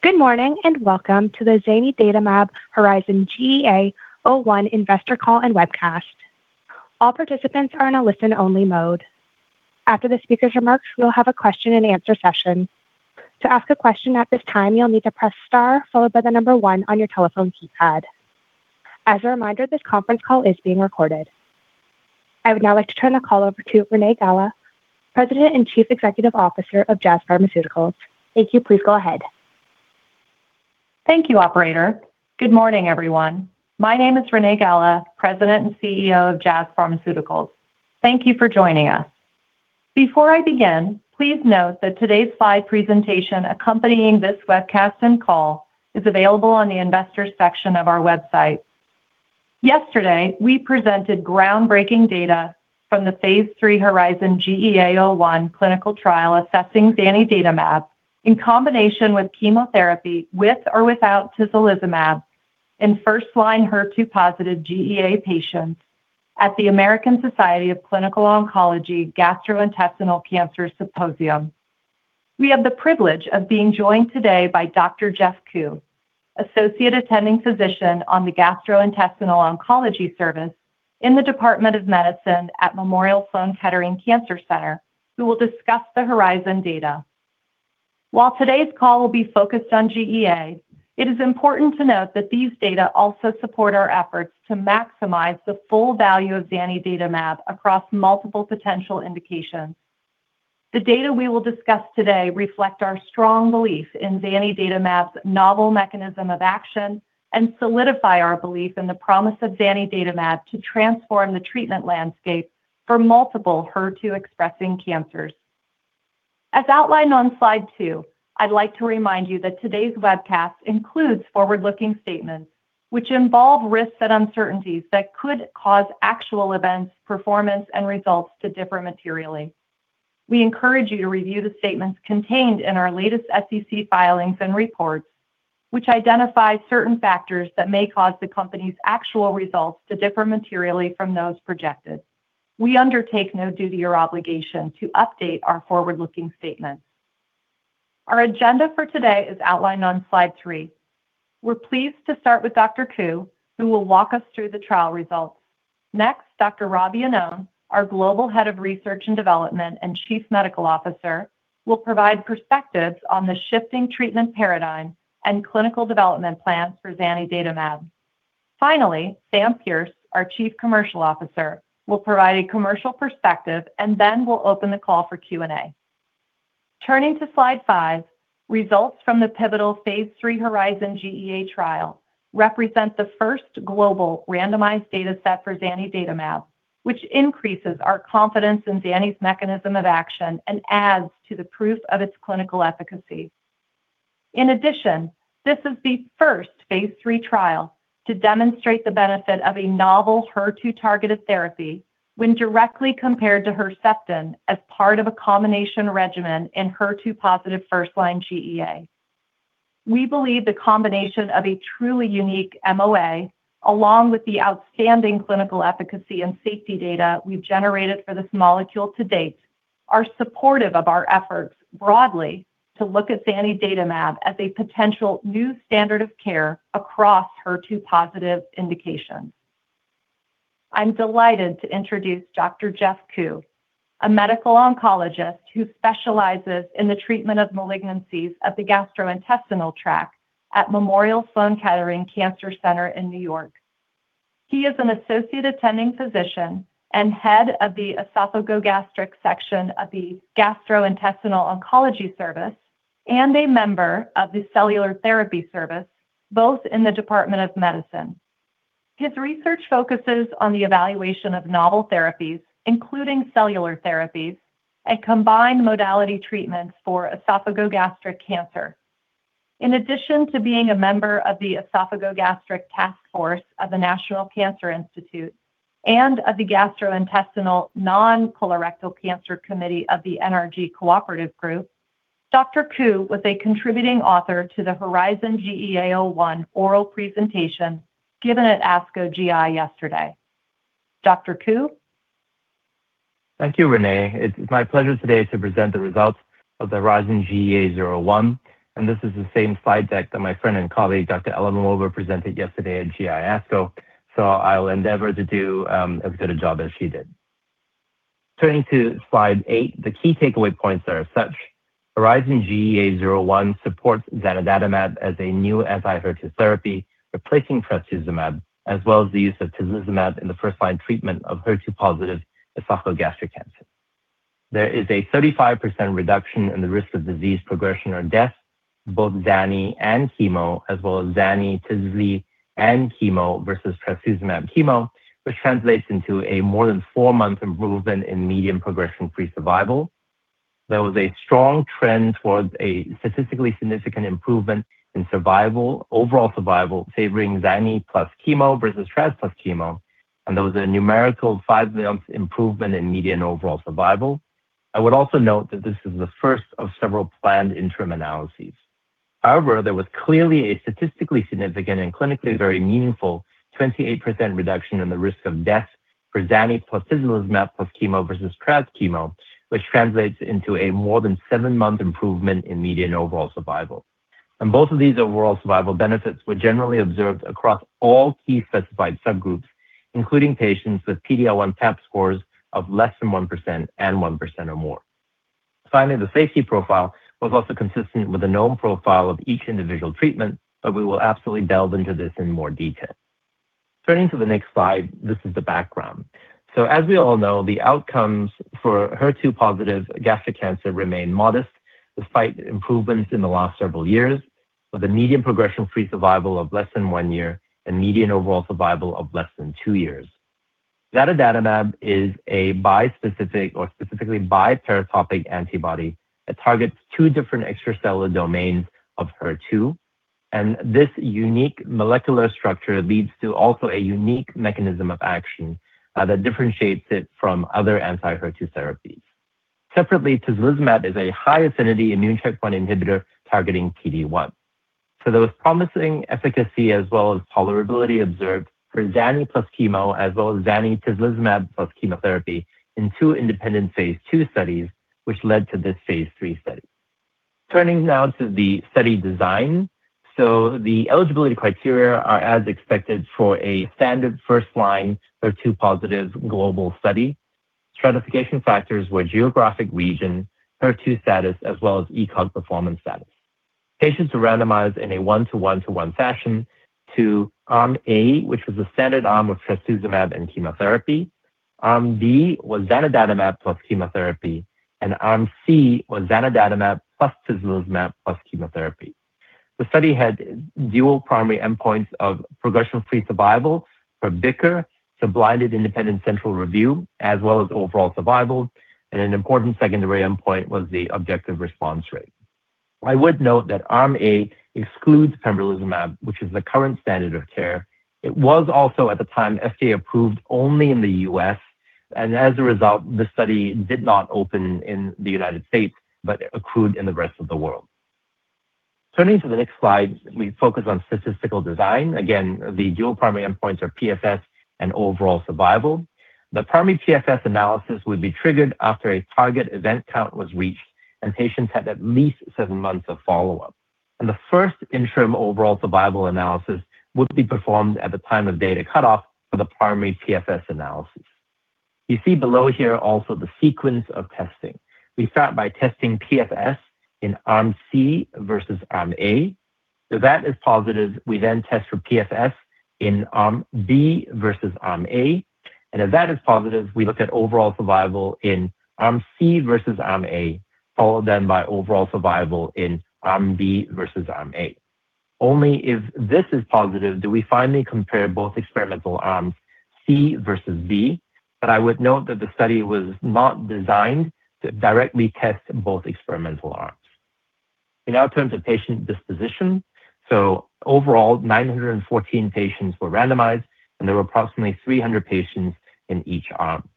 Good morning and welcome to the zanidatamab HERIZON-GEA-01 Investor Call and Webcast. All participants are in a listen-only mode. After the speaker's remarks, we will have a question-and-answer session. To ask a question at this time, you'll need to press star followed by the number one on your telephone keypad. As a reminder, this conference call is being recorded. I would now like to turn the call over to Renee Gala, President and Chief Executive Officer of Jazz Pharmaceuticals. Thank you. Please go ahead. Thank you, Operator. Good morning, everyone. My name is Renee Gala, President and CEO of Jazz Pharmaceuticals. Thank you for joining us. Before I begin, please note that today's slide presentation accompanying this webcast and call is available on the investor section of our website. Yesterday, we presented groundbreaking data from the Phase III HERIZON-GEA-01 Clinical Trial assessing zanidatamab in combination with chemotherapy with or without tislelizumab in first-line HER2-positive GEA patients at the American Society of Clinical Oncology Gastrointestinal Cancer Symposium. We have the privilege of being joined today by Dr. Geoff Ku, Associate Attending Physician on the Gastrointestinal Oncology Service in the Department of Medicine at Memorial Sloan Kettering Cancer Center, who will discuss the HERIZON data. While today's call will be focused on GEA, it is important to note that these data also support our efforts to maximize the full value of zanidatamab across multiple potential indications. The data we will discuss today reflect our strong belief in zanidatamab's novel mechanism of action and solidify our belief in the promise of zanidatamab to transform the treatment landscape for multiple HER2-expressing cancers. As outlined on slide two, I'd like to remind you that today's webcast includes forward-looking statements which involve risks and uncertainties that could cause actual events, performance, and results to differ materially. We encourage you to review the statements contained in our latest SEC filings and reports, which identify certain factors that may cause the company's actual results to differ materially from those projected. We undertake no duty or obligation to update our forward-looking statements. Our agenda for today is outlined on slide three. We're pleased to start with Dr. Ku, who will walk us through the trial results. Next, Dr. Rob Iannone, our Global Head of Research and Development and Chief Medical Officer, will provide perspectives on the shifting treatment paradigm and clinical development plans for zanidatamab. Finally, Sam Pearce, our Chief Commercial Officer, will provide a commercial perspective and then will open the call for Q&A. Turning to slide five, results from the pivotal Phase III HERIZON-GEA-01 trial represent the first global randomized data set for zanidatamab, which increases our confidence in zanidatamab's mechanism of action and adds to the proof of its clinical efficacy. In addition, this is the first Phase III trial to demonstrate the benefit of a novel HER2-targeted therapy when directly compared to Herceptin as part of a combination regimen in HER2-positive first-line GEA. We believe the combination of a truly unique MOA, along with the outstanding clinical efficacy and safety data we've generated for this molecule to date, are supportive of our efforts broadly to look at zanidatamab as a potential new standard of care across HER2-positive indications. I'm delighted to introduce Dr. Geoffrey Ku, a medical oncologist who specializes in the treatment of malignancies of the gastrointestinal tract at Memorial Sloan Kettering Cancer Center in New York. He is an Associate Attending Physician and Head of the Esophagogastric Section of the Gastrointestinal Oncology Service and a member of the Cellular Therapy Service, both in the Department of Medicine. His research focuses on the evaluation of novel therapies, including cellular therapies, and combined modality treatments for esophagogastric cancer. In addition to being a member of the Esophagogastric Task Force of the National Cancer Institute and of the Gastrointestinal Non-Colorectal Cancer Committee of the NRG Cooperative Group, Dr. Ku was a contributing author to the HERIZON-GEA-01 oral presentation given at ASCO GI yesterday. Dr. Ku? Thank you, Renee. It's my pleasure today to present the results of the HERIZON-GEA-01. And this is the same slide deck that my friend and colleague, Dr. Yelena Janjigian, presented yesterday at ASCO GI. So I'll endeavor to do as good a job as she did. Turning to slide eight, the key takeaway points are as such. HERIZON-GEA-01 supports zanidatamab as a new anti-HER2 therapy replacing trastuzumab, as well as the use of tislelizumab in the first-line treatment of HER2-positive esophagogastric cancer. There is a 35% reduction in the risk of disease progression or death, both zani and chemo, as well as zani, tisleli, and chemo versus trastuzumab chemo, which translates into a more than four-month improvement in median progression-free survival. There was a strong trend towards a statistically significant improvement in overall survival, favoring zani + chemo versus trastuzumab + chemo. There was a numerical five-month improvement in median overall survival. I would also note that this is the first of several planned interim analyses. However, there was clearly a statistically significant and clinically very meaningful 28% reduction in the risk of death for zanidatamab + tislelizumab + chemo versus trastuzumab, which translates into a more than seven-month improvement in median overall survival. And both of these overall survival benefits were generally observed across all key specified subgroups, including patients with PD-L1 TAP scores of less than 1% and 1% or more. Finally, the safety profile was also consistent with the known profile of each individual treatment, but we will absolutely delve into this in more detail. Turning to the next slide, this is the background. As we all know, the outcomes for HER2-positive gastric cancer remain modest despite improvements in the last several years, with a median progression-free survival of less than one year and median overall survival of less than two years. zanidatamab is a bispecific or specifically biparatopic antibody that targets two different extracellular domains of HER2. This unique molecular structure leads to also a unique mechanism of action that differentiates it from other anti-HER2 therapies. Separately, tislelizumab is a high-affinity immune checkpoint inhibitor targeting PD-1. There was promising efficacy as well as tolerability observed for zani + chemo as well as zani tislelizumab + chemotherapy in two independent Phase II studies, which led to this Phase III study. Turning now to the study design. The eligibility criteria are as expected for a standard first-line HER2-positive global study. Stratification factors were geographic region, HER2 status, as well as ECOG performance status. Patients were randomized in a one-to-one-to-one fashion to arm A, which was a standard arm of trastuzumab and chemotherapy, arm B was zanidatamab + chemotherapy, and arm C was zanidatamab + tislelizumab + chemotherapy. The study had dual primary endpoints of progression-free survival for BICR, so blinded independent central review, as well as overall survival, and an important secondary endpoint was the objective response rate. I would note that arm A excludes pembrolizumab, which is the current standard of care. It was also, at the time, FDA-approved only in the U.S. And as a result, this study did not open in the United States but accrued in the rest of the world. Turning to the next slide, we focus on statistical design. Again, the dual primary endpoints are PFS and overall survival. The primary PFS analysis would be triggered after a target event count was reached, and patients had at least seven months of follow-up. The first interim overall survival analysis would be performed at the time of data cutoff for the primary PFS analysis. You see below here also the sequence of testing. We start by testing PFS in arm C versus arm A. If that is positive, we then test for PFS in arm B versus arm A. If that is positive, we look at overall survival in arm C versus arm A, followed then by overall survival in arm B versus arm A. Only if this is positive do we finally compare both experimental arms, C versus B. I would note that the study was not designed to directly test both experimental arms. We now turn to patient disposition. Overall, 914 patients were randomized, and there were approximately 300 patients in each arm.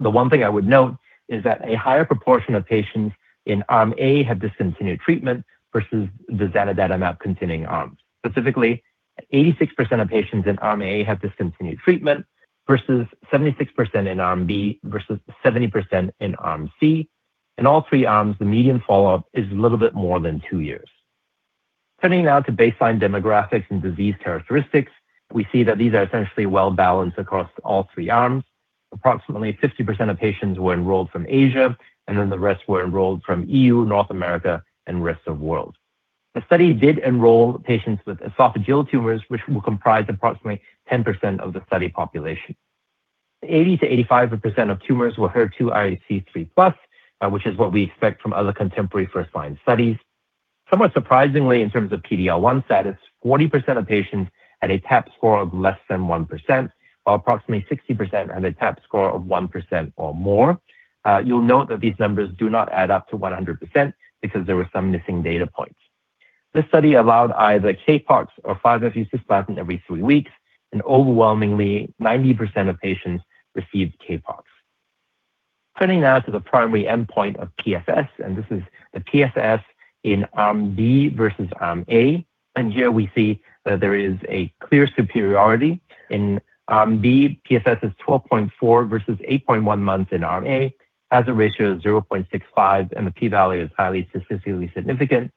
The one thing I would note is that a higher proportion of patients in arm A have discontinued treatment versus the zanidatamab continuing arms. Specifically, 86% of patients in arm A have discontinued treatment versus 76% in arm B versus 70% in arm C, and all three arms, the median follow-up is a little bit more than two years. Turning now to baseline demographics and disease characteristics, we see that these are essentially well-balanced across all three arms. Approximately 50% of patients were enrolled from Asia, and then the rest were enrolled from Europe, North America, and rest of the world. The study did enroll patients with esophageal tumors, which will comprise approximately 10% of the study population. 80%-85% of tumors were HER2 IHC 3+, which is what we expect from other contemporary first-line studies. Somewhat surprisingly, in terms of PD-L1 status, 40% of patients had a TAP score of less than 1%, while approximately 60% had a TAP score of 1% or more. You'll note that these numbers do not add up to 100% because there were some missing data points. This study allowed either CAPOX or 5-FU cisplatin every three weeks, and overwhelmingly, 90% of patients received CAPOX. Turning now to the primary endpoint of PFS, and this is the PFS in arm B versus arm A. And here we see that there is a clear superiority. In arm B, PFS is 12.4 versus 8.1 months in arm A, has a ratio of 0.65, and the p-value is highly statistically significant.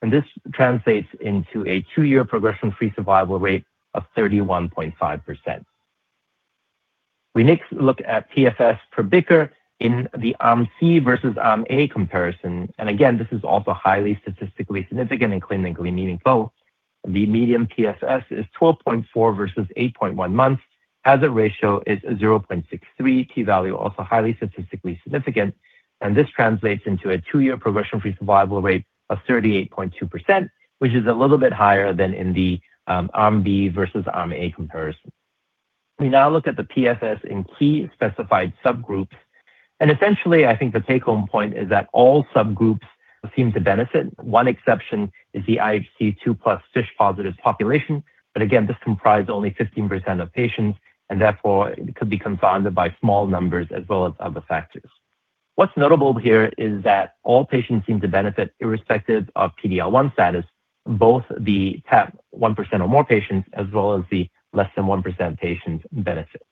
And this translates into a two-year progression-free survival rate of 31.5%. We next look at PFS per BICR in the arm C versus arm A comparison. And again, this is also highly statistically significant and clinically meaningful. The median PFS is 12.4 versus 8.1 months, has a ratio of 0.63, p-value also highly statistically significant. This translates into a two-year progression-free survival rate of 38.2%, which is a little bit higher than in the arm B versus arm A comparison. We now look at the PFS in key specified subgroups. Essentially, I think the take-home point is that all subgroups seem to benefit. One exception is the IHC 2+ FISH-positive population. Again, this comprised only 15% of patients, and therefore, it could be confounded by small numbers as well as other factors. What's notable here is that all patients seem to benefit irrespective of PD-L1 status. Both the TAP 1% or more patients as well as the less than 1% patients benefit.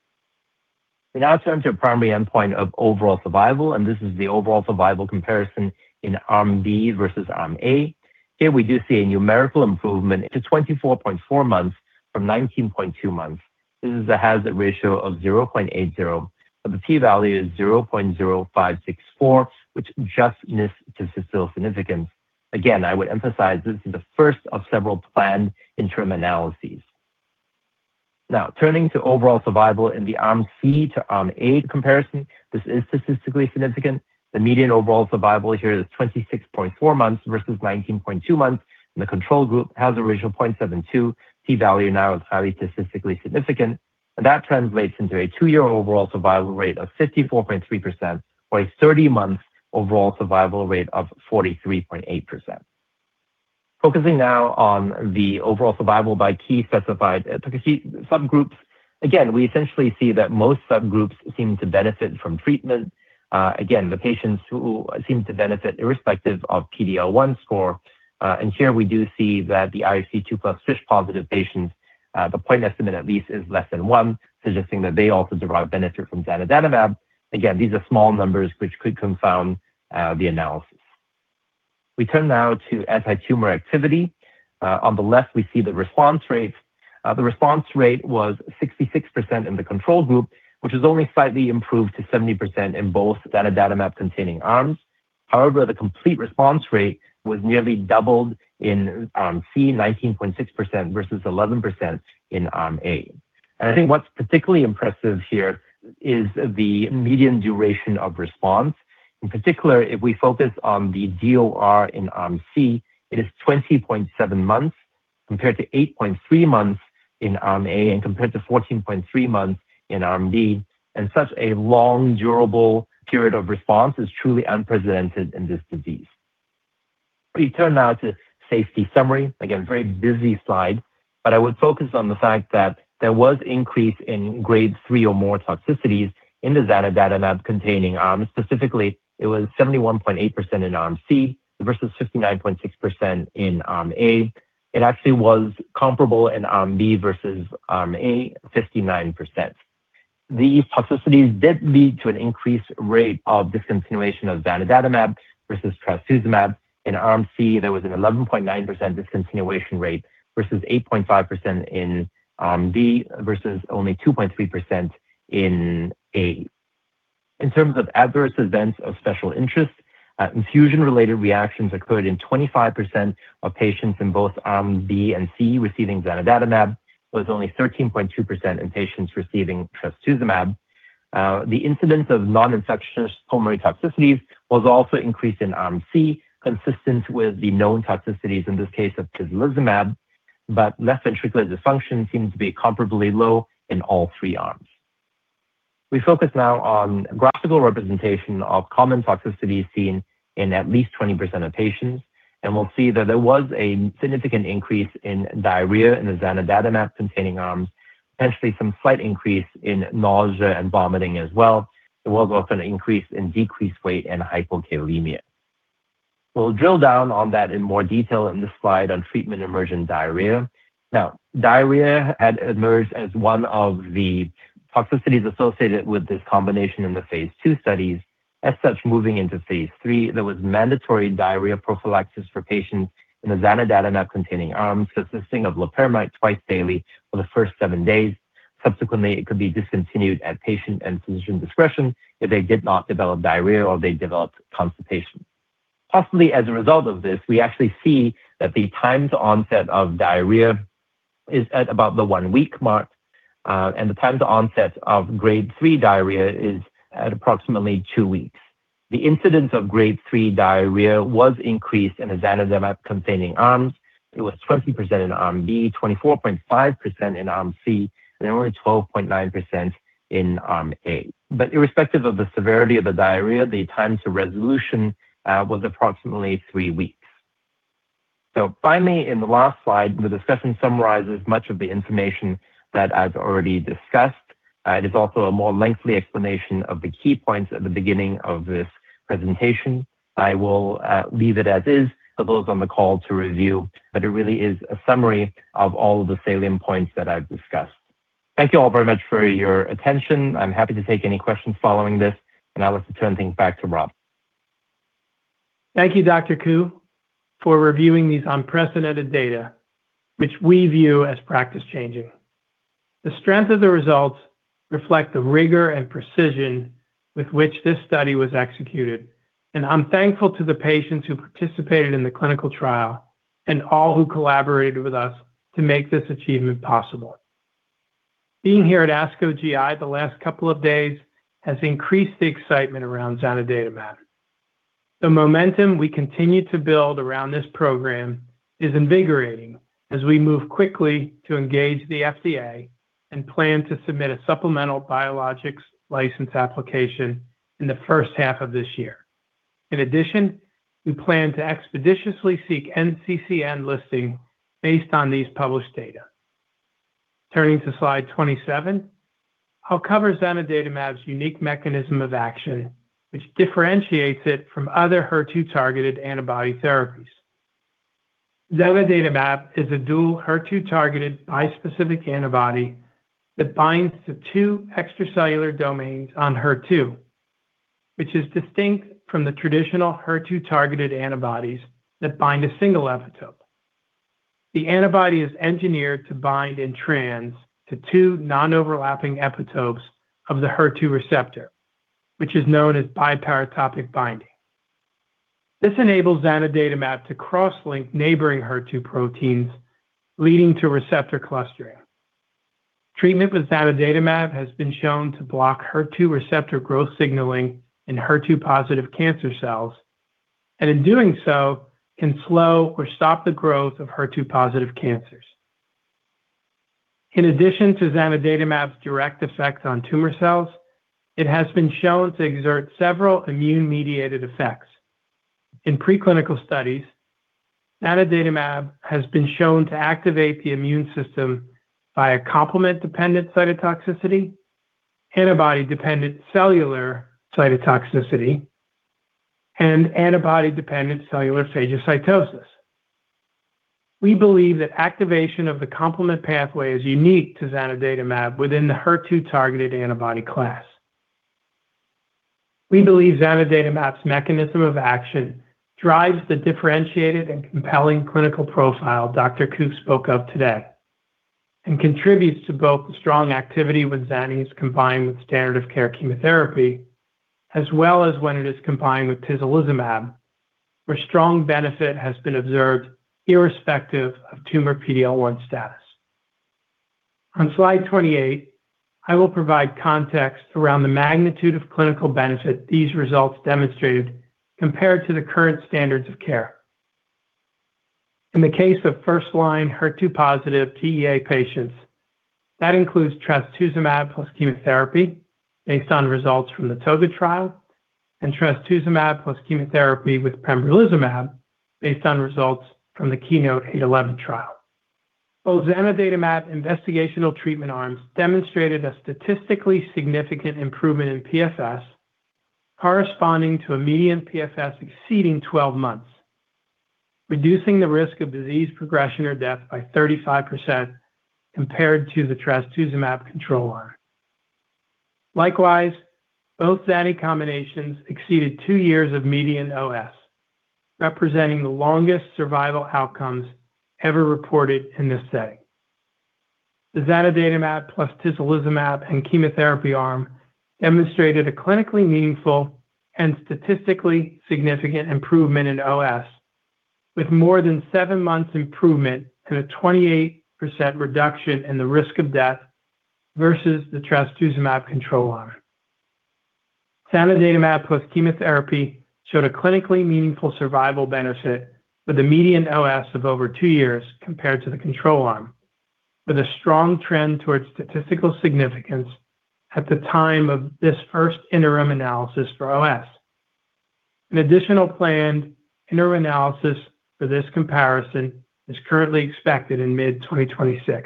We now turn to a primary endpoint of overall survival, and this is the overall survival comparison in arm B versus arm A. Here we do see a numerical improvement to 24.4 months from 19.2 months. This is a hazard ratio of 0.80, but the p-value is 0.0564, which just missed statistical significance. Again, I would emphasize this is the first of several planned interim analyses. Now, turning to overall survival in the arm C to arm A comparison, this is statistically significant. The median overall survival here is 26.4 months versus 19.2 months, and the control group has a ratio of 0.72. p-value now is highly statistically significant. And that translates into a two-year overall survival rate of 54.3% or a 30-month overall survival rate of 43.8%. Focusing now on the overall survival by key specified subgroups. Again, we essentially see that most subgroups seem to benefit from treatment. Again, the patients who seem to benefit irrespective of PD-L1 score. Here we do see that the IHC 2+ FISH-positive patients, the point estimate at least is less than one, suggesting that they also derive benefit from zanidatamab. Again, these are small numbers which could confound the analysis. We turn now to anti-tumor activity. On the left, we see the response rate. The response rate was 66% in the control group, which is only slightly improved to 70% in both zanidatamab-containing arms. However, the complete response rate was nearly doubled in arm C, 19.6% versus 11% in arm A. I think what's particularly impressive here is the median duration of response. In particular, if we focus on the DOR in arm C, it is 20.7 months compared to 8.3 months in arm A and compared to 14.3 months in arm B. Such a long durable period of response is truly unprecedented in this disease. We turn now to safety summary. Again, very busy slide, but I would focus on the fact that there was increase in grade three or more toxicities in the zanidatamab-containing arms. Specifically, it was 71.8% in Arm C versus 59.6% in Arm A. It actually was comparable in Arm B versus Arm A, 59%. These toxicities did lead to an increased rate of discontinuation of zanidatamab versus trastuzumab. In Arm C, there was an 11.9% discontinuation rate versus 8.5% in arm B versus only 2.3% in A. In terms of adverse events of special interest, infusion-related reactions occurred in 25% of patients in both arm B and C receiving zanidatamab. It was only 13.2% in patients receiving trastuzumab. The incidence of non-infectious pulmonary toxicities was also increased in Arm C, consistent with the known toxicities in this case of tislelizumab, but left ventricular dysfunction seemed to be comparably low in all three arms. We focus now on graphical representation of common toxicities seen in at least 20% of patients. We'll see that there was a significant increase in diarrhea in the zanidatamab-containing arms, potentially some slight increase in nausea and vomiting as well. There was also an increase in decreased weight and hypokalemia. We'll drill down on that in more detail in this slide on treatment-emergent diarrhea. Now, diarrhea had emerged as one of the toxicities associated with this combination in the Phase II studies. As such, moving into Phase III, there was mandatory diarrhea prophylaxis for patients in the zanidatamab-containing arms consisting of loperamide twice daily for the first seven days. Subsequently, it could be discontinued at patient and physician discretion if they did not develop diarrhea or they developed constipation. Possibly as a result of this, we actually see that the time to onset of diarrhea is at about the one-week mark, and the time to onset of grade three diarrhea is at approximately two weeks. The incidence of grade three diarrhea was increased in the zanidatamab-containing arms. It was 20% in arm B, 24.5% in arm C, and only 12.9% in arm A. But irrespective of the severity of the diarrhea, the time to resolution was approximately three weeks. So finally, in the last slide, the discussion summarizes much of the information that I've already discussed. It is also a more lengthy explanation of the key points at the beginning of this presentation. I will leave it as is for those on the call to review, but it really is a summary of all of the salient points that I've discussed. Thank you all very much for your attention. I'm happy to take any questions following this, and I'll turn things back to Rob. Thank you, Dr. Ku, for reviewing these unprecedented data, which we view as practice-changing. The strength of the results reflects the rigor and precision with which this study was executed. I'm thankful to the patients who participated in the clinical trial and all who collaborated with us to make this achievement possible. Being here at ASCO GI the last couple of days has increased the excitement around zanidatamab. The momentum we continue to build around this program is invigorating as we move quickly to engage the FDA and plan to submit a supplemental biologics license application in the first half of this year. In addition, we plan to expeditiously seek NCCN listing based on these published data. Turning to slide 27, I'll cover zanidatamab's unique mechanism of action, which differentiates it from other HER2-targeted antibody therapies. zanidatamab is a dual HER2-targeted bispecific antibody that binds to two extracellular domains on HER2, which is distinct from the traditional HER2-targeted antibodies that bind a single epitope. The antibody is engineered to bind in trans to two non-overlapping epitopes of the HER2 receptor, which is known as biparatopic binding. This enables zanidatamab to cross-link neighboring HER2 proteins, leading to receptor clustering. Treatment with zanidatamab has been shown to block HER2 receptor growth signaling in HER2-positive cancer cells, and in doing so, can slow or stop the growth of HER2-positive cancers. In addition to zanidatamab's direct effect on tumor cells, it has been shown to exert several immune-mediated effects. In preclinical studies, zanidatamab has been shown to activate the immune system via complement-dependent cytotoxicity, antibody-dependent cellular cytotoxicity, and antibody-dependent cellular phagocytosis. We believe that activation of the complement pathway is unique to zanidatamab within the HER2-targeted antibody class. We believe zanidatamab's mechanism of action drives the differentiated and compelling clinical profile Dr. Ku spoke of today and contributes to both the strong activity when zanidatamab is combined with standard of care chemotherapy, as well as when it is combined with tislelizumab, where strong benefit has been observed irrespective of tumor PD-L1 status. On slide 28, I will provide context around the magnitude of clinical benefit these results demonstrated compared to the current standards of care. In the case of first-line HER2-positive GEA patients, that includes trastuzumab + chemotherapy based on results from the ToGA trial and trastuzumab + chemotherapy with pembrolizumab based on results from the Keynote-811 trial. Both zanidatamab investigational treatment arms demonstrated a statistically significant improvement in PFS, corresponding to a median PFS exceeding 12 months, reducing the risk of disease progression or death by 35% compared to the trastuzumab control arm. Likewise, both zanidatamab combinations exceeded two years of median OS, representing the longest survival outcomes ever reported in this setting. The zanidatamab + tislelizumab and chemotherapy arm demonstrated a clinically meaningful and statistically significant improvement in OS, with more than seven months' improvement and a 28% reduction in the risk of death versus the trastuzumab control arm. zanidatamab + chemotherapy showed a clinically meaningful survival benefit with a median OS of over two years compared to the control arm, with a strong trend towards statistical significance at the time of this first interim analysis for OS. An additional planned interim analysis for this comparison is currently expected in mid-2026.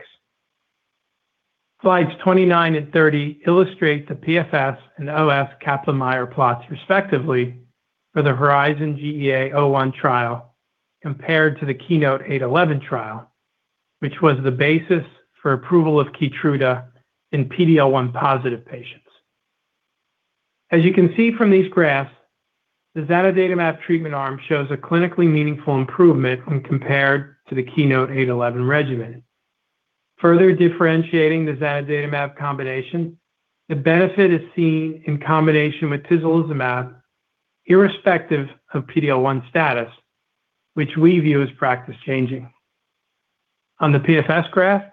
Slides 29 and 30 illustrate the PFS and OS Kaplan-Meier plots, respectively, for the HERIZON-GEA-01 trial compared to the Keynote-811 trial, which was the basis for approval of Keytruda in PD-L1-positive patients. As you can see from these graphs, the zanidatamab treatment arm shows a clinically meaningful improvement when compared to the Keynote-811 regimen. Further differentiating the zanidatamab combination, the benefit is seen in combination with tislelizumab irrespective of PD-L1 status, which we view as practice-changing. On the PFS graph,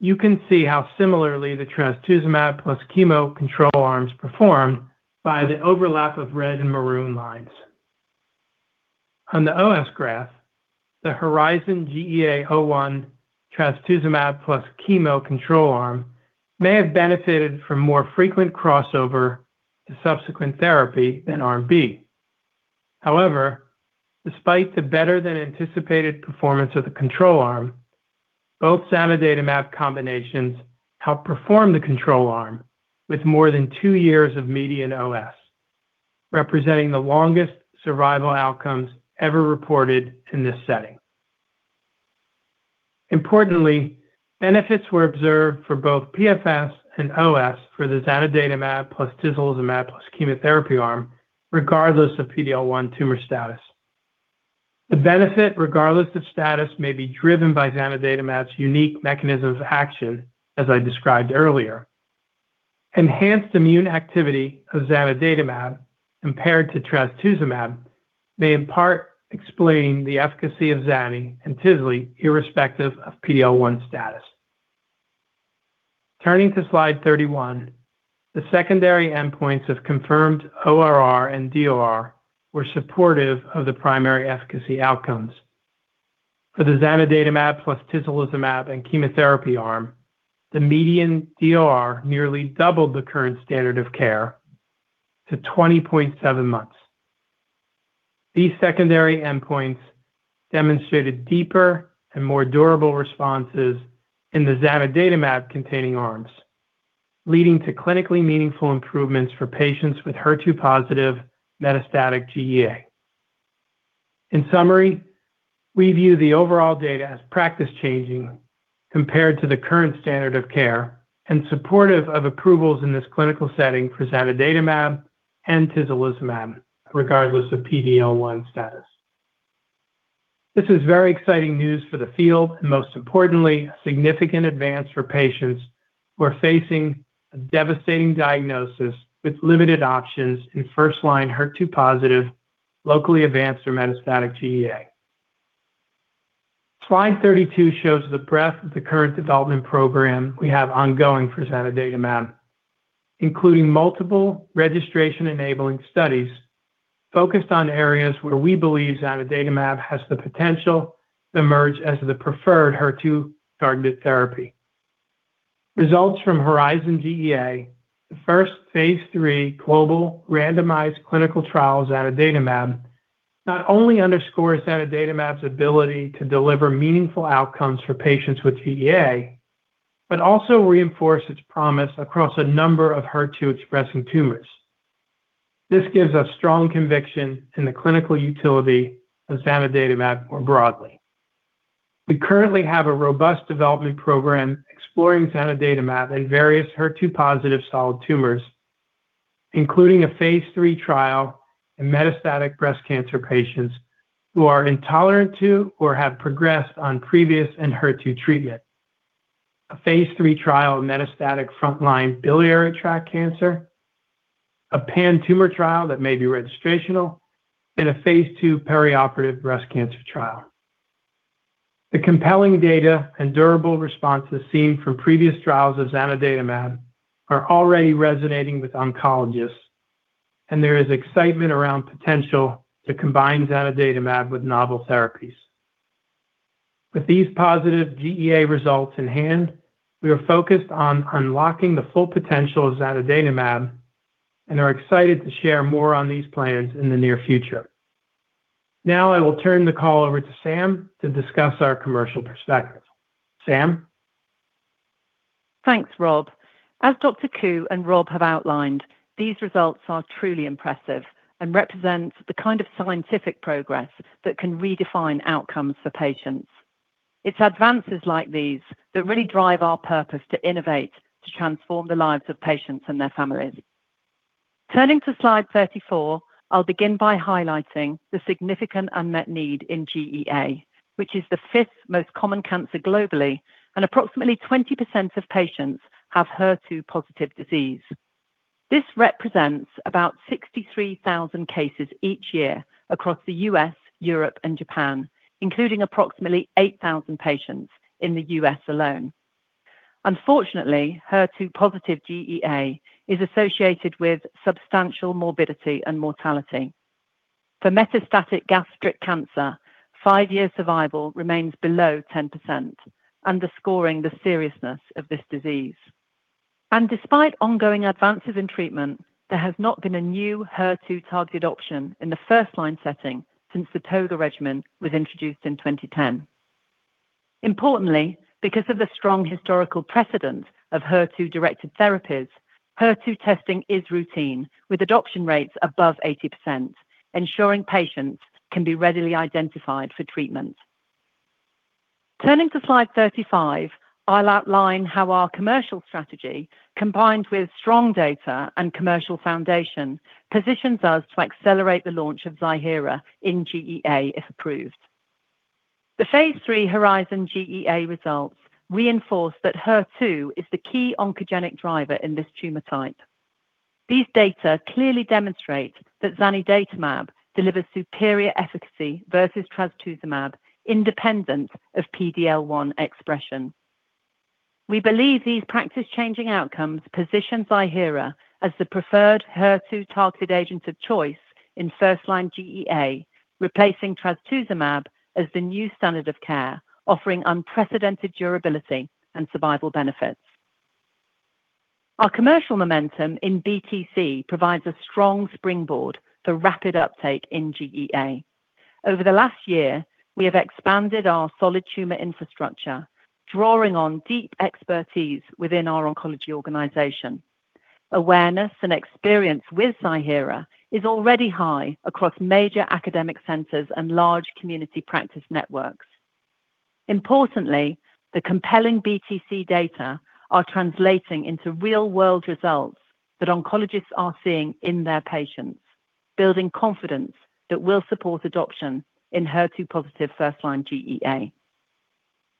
you can see how similarly the trastuzumab + chemo control arms performed by the overlap of red and maroon lines. On the OS graph, the HERIZON-GEA-01 trastuzumab + chemo control arm may have benefited from more frequent crossover to subsequent therapy than arm B. However, despite the better-than-anticipated performance of the control arm, both zanidatamab combinations outperformed the control arm with more than two years of median OS, representing the longest survival outcomes ever reported in this setting. Importantly, benefits were observed for both PFS and OS for the zanidatamab + tislelizumab + chemotherapy arm, regardless of PD-L1 tumor status. The benefit, regardless of status, may be driven by zanidatamab's unique mechanism of action, as I described earlier. Enhanced immune activity of zanidatamab compared to trastuzumab may in part explain the efficacy of zani and tisleli irrespective of PD-L1 status. Turning to slide 31, the secondary endpoints of confirmed ORR and DOR were supportive of the primary efficacy outcomes. For the zanidatamab + tislelizumab and chemotherapy arm, the median DOR nearly doubled the current standard of care to 20.7 months. These secondary endpoints demonstrated deeper and more durable responses in the zanidatamab-containing arms, leading to clinically meaningful improvements for patients with HER2-positive metastatic GEA. In summary, we view the overall data as practice-changing compared to the current standard of care and supportive of approvals in this clinical setting for zanidatamab and tislelizumab, regardless of PD-L1 status. This is very exciting news for the field and, most importantly, a significant advance for patients who are facing a devastating diagnosis with limited options in first-line HER2-positive, locally advanced, or metastatic GEA. Slide 32 shows the breadth of the current development program we have ongoing for zanidatamab, including multiple registration-enabling studies focused on areas where we believe zanidatamab has the potential to emerge as the preferred HER2-targeted therapy. Results from HERIZON-GEA-01, the first Phase III global randomized clinical trial of zanidatamab, not only underscore zanidatamab's ability to deliver meaningful outcomes for patients with GEA, but also reinforce its promise across a number of HER2-expressing tumors. This gives us strong conviction in the clinical utility of zanidatamab more broadly. We currently have a robust development program exploring zanidatamab in various HER2-positive solid tumors, including a Phase III trial in metastatic breast cancer patients who are intolerant to or have progressed on previous anti-HER2 treatment, a Phase III trial in metastatic frontline biliary tract cancer, a pan-tumor trial that may be registrational, and a Phase II perioperative breast cancer trial. The compelling data and durable responses seen from previous trials of zanidatamab are already resonating with oncologists, and there is excitement around potential to combine zanidatamab with novel therapies. With these positive GEA results in hand, we are focused on unlocking the full potential of zanidatamab and are excited to share more on these plans in the near future. Now, I will turn the call over to Sam to discuss our commercial perspective. Sam? Thanks, Rob. As Dr. Ku and Rob have outlined. These results are truly impressive and represent the kind of scientific progress that can redefine outcomes for patients. It's advances like these that really drive our purpose to innovate to transform the lives of patients and their families. Turning to slide 34, I'll begin by highlighting the significant unmet need in GEA, which is the fifth most common cancer globally, and approximately 20% of patients have HER2-positive disease. This represents about 63,000 cases each year across the U.S., Europe, and Japan, including approximately 8,000 patients in the U.S. alone. Unfortunately, HER2-positive GEA is associated with substantial morbidity and mortality. For metastatic gastric cancer, five-year survival remains below 10%, underscoring the seriousness of this disease. And despite ongoing advances in treatment, there has not been a new HER2-targeted option in the first-line setting since the ToGA regimen was introduced in 2010. Importantly, because of the strong historical precedent of HER2-directed therapies, HER2 testing is routine, with adoption rates above 80%, ensuring patients can be readily identified for treatment. Turning to slide 35, I'll outline how our commercial strategy, combined with strong data and commercial foundation, positions us to accelerate the launch of Ziihera in GEA if approved. The Phase III HERIZON GEA results reinforce that HER2 is the key oncogenic driver in this tumor type. These data clearly demonstrate that zanidatamab delivers superior efficacy versus trastuzumab, independent of PD-L1 expression. We believe these practice-changing outcomes position Ziihera as the preferred HER2-targeted agent of choice in first-line GEA, replacing trastuzumab as the new standard of care, offering unprecedented durability and survival benefits. Our commercial momentum in BTC provides a strong springboard for rapid uptake in GEA. Over the last year, we have expanded our solid tumor infrastructure, drawing on deep expertise within our oncology organization. Awareness and experience with Ziihera is already high across major academic centers and large community practice networks. Importantly, the compelling BTC data are translating into real-world results that oncologists are seeing in their patients, building confidence that will support adoption in HER2-positive first-line GEA.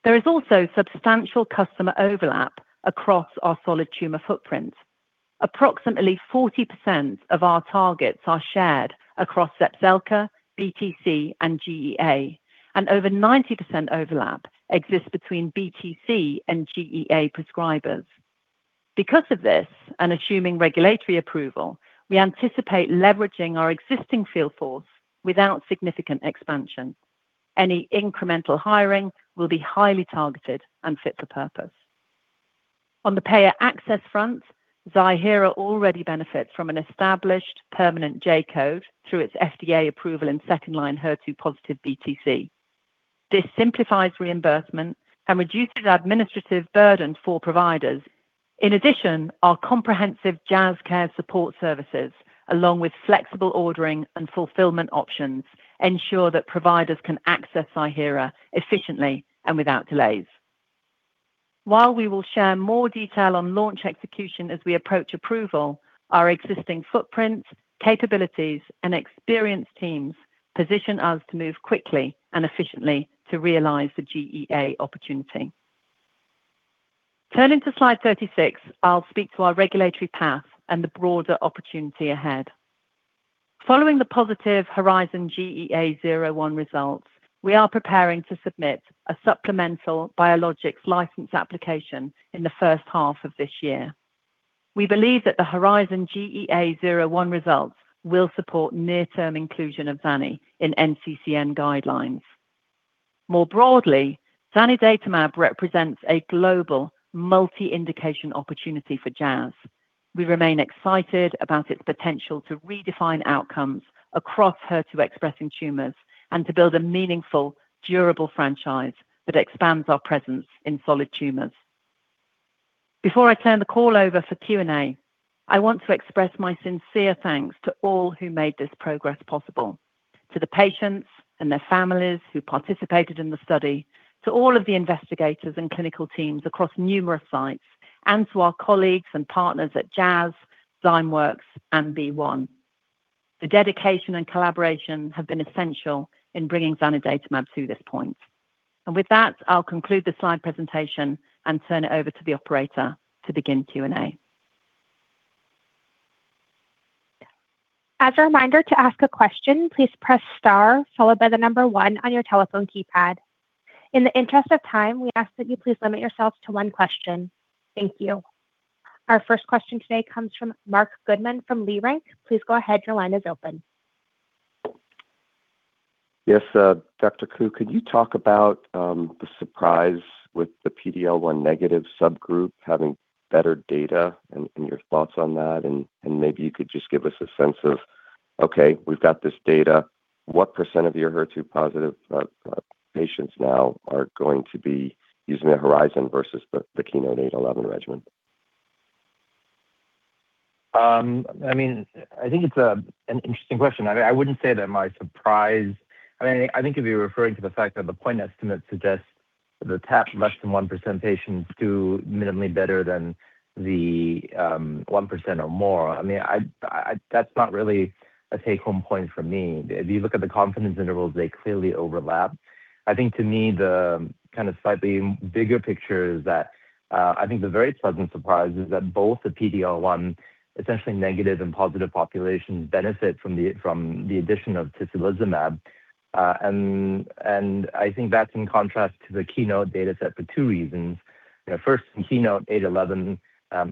There is also substantial customer overlap across our solid tumor footprint. Approximately 40% of our targets are shared across Zepzelca, BTC, and GEA, and over 90% overlap exists between BTC and GEA prescribers. Because of this, and assuming regulatory approval, we anticipate leveraging our existing field force without significant expansion. Any incremental hiring will be highly targeted and fit for purpose. On the payer access front, Ziihera already benefits from an established permanent J code through its FDA approval in second-line HER2-positive BTC. This simplifies reimbursement and reduces administrative burden for providers. In addition, our comprehensive Jazz Care support services, along with flexible ordering and fulfillment options, ensure that providers can access Ziihera efficiently and without delays. While we will share more detail on launch execution as we approach approval, our existing footprint, capabilities, and experienced teams position us to move quickly and efficiently to realize the GEA opportunity. Turning to slide 36, I'll speak to our regulatory path and the broader opportunity ahead. Following the positive HERIZON-GEA-01 results, we are preparing to submit a supplemental biologics license application in the first half of this year. We believe that the HERIZON-GEA-01 results will support near-term inclusion of zanidatamab in NCCN guidelines. More broadly, zanidatamab represents a global multi-indication opportunity for Jazz. We remain excited about its potential to redefine outcomes across HER2-expressing tumors and to build a meaningful, durable franchise that expands our presence in solid tumors. Before I turn the call over for Q&A, I want to express my sincere thanks to all who made this progress possible: to the patients and their families who participated in the study, to all of the investigators and clinical teams across numerous sites, and to our colleagues and partners at Jazz, Zymeworks, and BeiGene. The dedication and collaboration have been essential in bringing zanidatamab to this point. And with that, I'll conclude the slide presentation and turn it over to the operator to begin Q&A. As a reminder to ask a question, please press star, followed by the number one on your telephone keypad. In the interest of time, we ask that you please limit yourselves to one question. Thank you. Our first question today comes from Marc Goodman from Leerink Partners. Please go ahead. Your line is open Yes, Dr. Ku, could you talk about the surprise with the PD-L1 negative subgroup having better data and your thoughts on that? And maybe you could just give us a sense of, okay, we've got this data. What % of your HER2-positive patients now are going to be using the HERIZON versus the Keynote-811 regimen? I mean, I think it's an interesting question. I mean, I wouldn't say that my surprise. I mean, I think you're referring to the fact that the point estimates suggest that the TPS less than 1% patients do minimally better than the 1% or more. I mean, that's not really a take-home point for me. If you look at the confidence intervals, they clearly overlap. I think, to me, the kind of slightly bigger picture is that I think the very pleasant surprise is that both the PD-L1 essentially negative and positive populations benefit from the addition of tislelizumab. And I think that's in contrast to the Keynote data set for two reasons. First, in Keynote-811,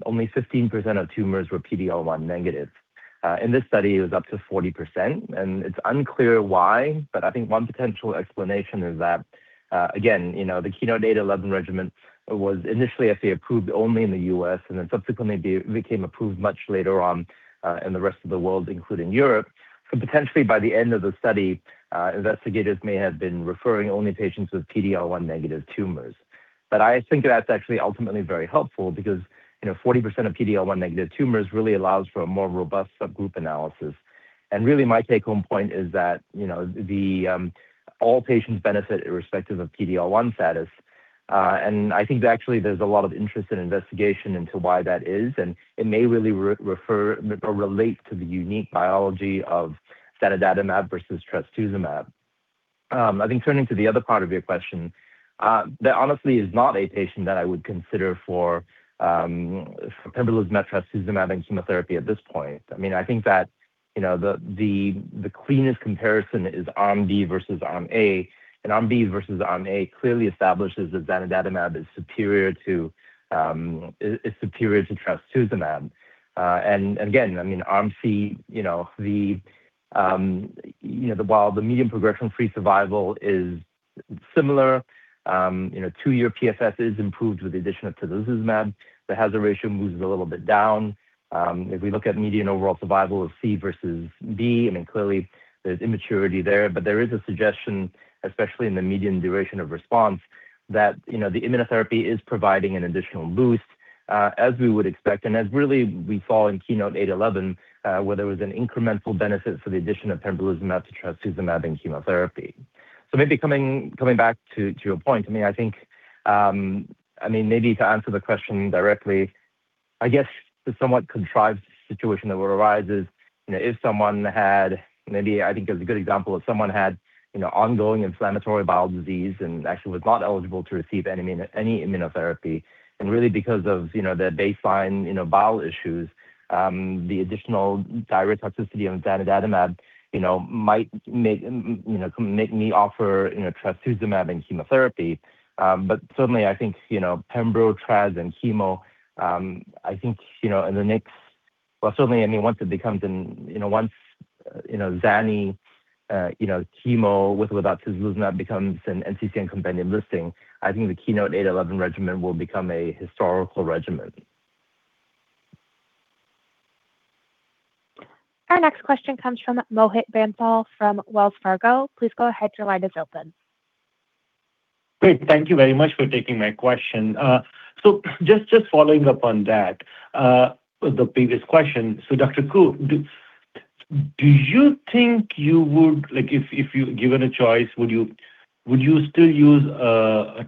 only 15% of tumors were PD-L1 negative. In this study, it was up to 40%. And it's unclear why, but I think one potential explanation is that, again, the Keynote-811 regimen was initially FDA-approved only in the U.S. and then subsequently became approved much later on in the rest of the world, including Europe. So potentially, by the end of the study, investigators may have been referring only patients with PD-L1 negative tumors. But I think that's actually ultimately very helpful because 40% of PD-L1 negative tumors really allows for a more robust subgroup analysis. Really, my take-home point is that all patients benefit irrespective of PD-L1 status. I think, actually, there's a lot of interest in investigation into why that is. It may really refer or relate to the unique biology of zanidatamab versus trastuzumab. I think turning to the other part of your question, that honestly is not a patient that I would consider for pembrolizumab, trastuzumab, and chemotherapy at this point. I mean, I think that the cleanest comparison is arm B versus arm A. Arm B versus arm A clearly establishes that zanidatamab is superior to trastuzumab. Again, I mean, arm C, while the median progression-free survival is similar, two-year PFS is improved with the addition of tislelizumab. The hazard ratio moves a little bit down. If we look at median overall survival of C versus B, I mean, clearly, there's immaturity there. But there is a suggestion, especially in the median duration of response, that the immunotherapy is providing an additional boost, as we would expect, and as really we saw in Keynote-811, where there was an incremental benefit for the addition of pembrolizumab to trastuzumab and chemotherapy. So maybe coming back to your point, I mean, I think, I mean, maybe to answer the question directly, I guess the somewhat contrived situation that arises is if someone had, maybe I think it's a good example, ongoing inflammatory bowel disease and actually was not eligible to receive any immunotherapy. And really, because of their baseline bowel issues, the additional diarrheal toxicity of zanidatamab might make me offer trastuzumab and chemotherapy. But certainly, I think pembrolizumab and chemo, I think in the next, well, certainly, I mean, once it becomes, once zani, chemo with or without tislelizumab becomes an NCCN compendium listing, I think the Keynote-811 regimen will become a historical regimen. Our next question comes from Mohit Bansal from Wells Fargo. Please go ahead. Your line is open. Great. Thank you very much for taking my question. So just following up on that, the previous question, so Dr. Ku, do you think you would, if you're given a choice, would you still use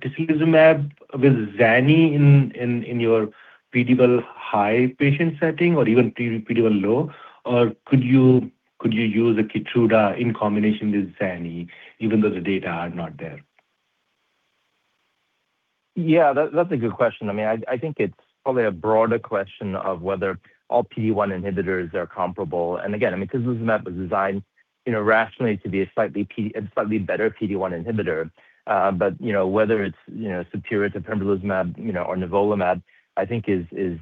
tislelizumab with zani in your PD-L1 high patient setting or even PD-L1 low? Or could you use a Keytruda in combination with zani, even though the data are not there? Yeah, that's a good question. I mean, I think it's probably a broader question of whether all PD-L1 inhibitors are comparable. And again, I mean, tislelizumab was designed rationally to be a slightly better PD-L1 inhibitor. But whether it's superior to pembrolizumab or nivolumab, I think, is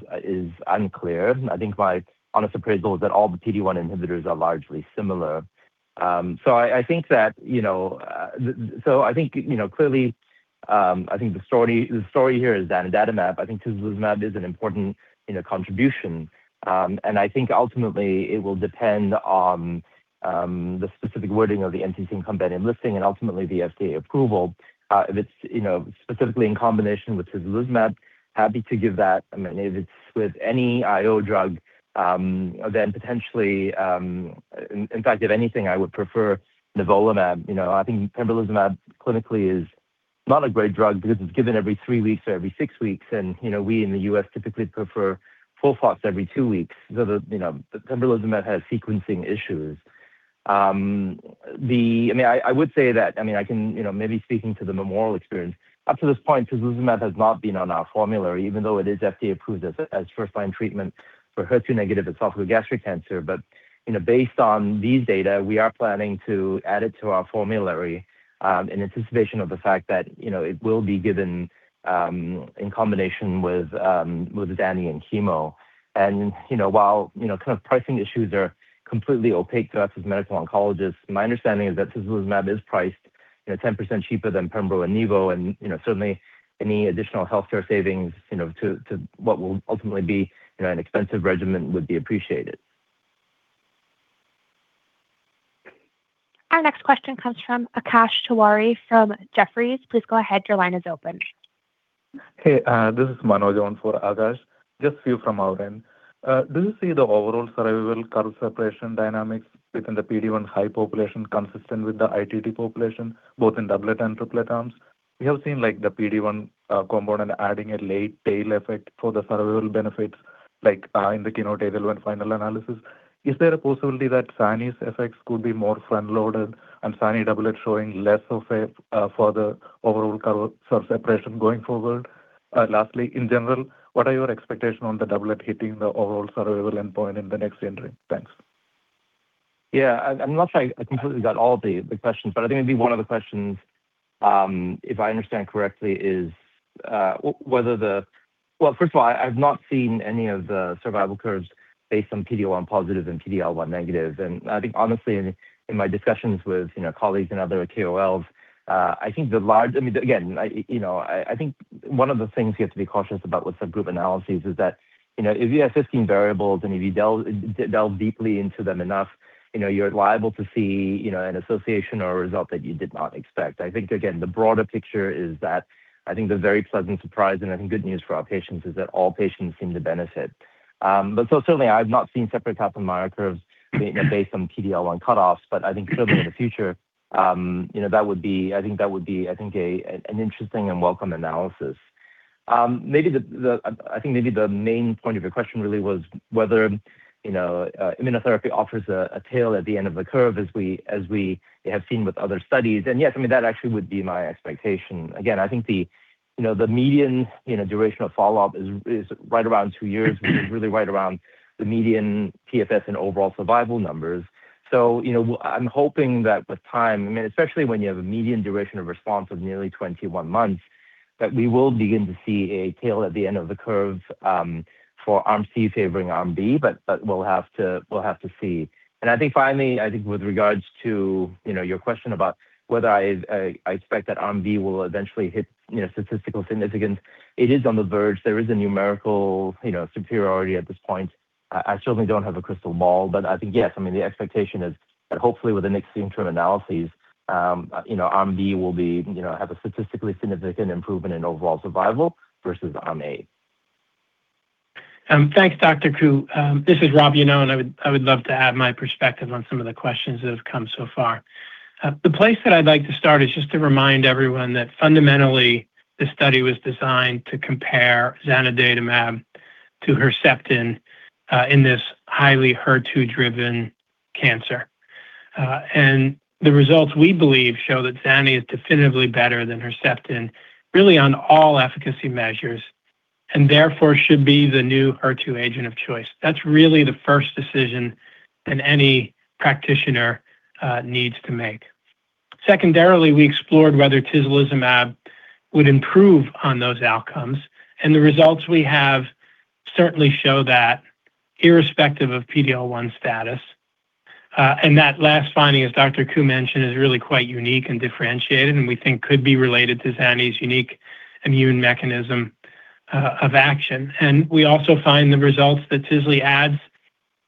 unclear. I think my honest appraisal is that all the PD-L1 inhibitors are largely similar. So I think that—so I think clearly, I think the story here is zanidatamab. I think tislelizumab is an important contribution. And I think ultimately, it will depend on the specific wording of the NCCN compendium listing and ultimately the FDA approval. If it's specifically in combination with tislelizumab, happy to give that. I mean, if it's with any IO drug, then potentially. In fact, if anything, I would prefer nivolumab. I think pembrolizumab clinically is not a great drug because it's given every three weeks or every six weeks. And we in the U.S. typically prefer FOLFOX every two weeks. So the pembrolizumab has sequencing issues. I mean, I would say that, I mean, I can maybe speaking to the Memorial experience, up to this point, tislelizumab has not been on our formulary, even though it is FDA-approved as first-line treatment for HER2-negative esophagogastric cancer. But based on these data, we are planning to add it to our formulary in anticipation of the fact that it will be given in combination with zani and chemo. And while kind of pricing issues are completely opaque to us as medical oncologists, my understanding is that tislelizumab is priced 10% cheaper than pembrolizumab and Nivo. And certainly, any additional healthcare savings to what will ultimately be an expensive regimen would be appreciated. Our next question comes from Akash Tewari from Jefferies. Please go ahead. Your line is open. Hey, this is Manuel Joan for Akash. Just a few from our end. Do you see the overall survival curve separation dynamics within the PD-L1 high population consistent with the ITT population, both in doublet and triplet arms? We have seen the PD-L1 component adding a late tail effect for the survival benefits, like in the Keynote-811 final analysis. Is there a possibility that zani's effects could be more front-loaded and zani doublet showing less of a further overall curve separation going forward? Lastly, in general, what are your expectations on the doublet hitting the overall survival endpoint in the next interim? Thanks. Yeah, I'm not sure I completely got all the questions. But I think maybe one of the questions, if I understand correctly, is whether the, well, first of all, I've not seen any of the survival curves based on PD-L1 positive and PD-L1 negative. I think, honestly, in my discussions with colleagues and other KOLs, I think—I mean, again, I think one of the things you have to be cautious about with subgroup analyses is that if you have 15 variables and if you delve deeply into them enough, you're liable to see an association or a result that you did not expect. I think, again, the broader picture is that I think the very pleasant surprise and I think good news for our patients is that all patients seem to benefit. Certainly, I've not seen separate Kaplan-Meier curves based on PD-L1 cutoffs. I think certainly in the future, that would be—I think that would be, I think, an interesting and welcome analysis. I think maybe the main point of your question really was whether immunotherapy offers a tail at the end of the curve, as we have seen with other studies, and yes, I mean, that actually would be my expectation. Again, I think the median duration of follow-up is right around two years, which is really right around the median PFS and overall survival numbers. So I'm hoping that with time, I mean, especially when you have a median duration of response of nearly 21 months, that we will begin to see a tail at the end of the curve for arm C favoring arm B, but we'll have to see. And I think finally, I think with regards to your question about whether I expect that arm B will eventually hit statistical significance, it is on the verge. There is a numerical superiority at this point. I certainly don't have a crystal ball. But I think, yes, I mean, the expectation is that hopefully with the next interim analyses, arm B will have a statistically significant improvement in overall survival versus arm A. Thanks, Dr. Ku. This is Rob Iannone. I would love to add my perspective on some of the questions that have come so far. The place that I'd like to start is just to remind everyone that fundamentally, this study was designed to compare zanidatamab to Herceptin in this highly HER2-driven cancer. And the results we believe show that zani is definitively better than Herceptin really on all efficacy measures and therefore should be the new HER2 agent of choice. That's really the first decision that any practitioner needs to make. Secondarily, we explored whether tislelizumab would improve on those outcomes. And the results we have certainly show that irrespective of PD-L1 status. And that last finding, as Dr. Ku mentioned, is really quite unique and differentiated and we think could be related to zani's unique immune mechanism of action. And we also find the results that tislelizumab